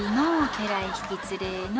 「家来引き連れーの。